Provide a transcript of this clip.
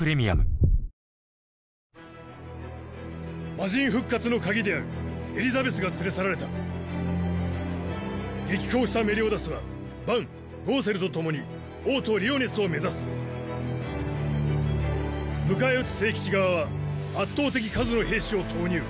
魔神復活の鍵であるエリザベスが連れ去られた激高したメリオダスはバンゴウセルと共に王都リオネスを目指す迎え撃つ聖騎士側は圧倒的数の兵士を投入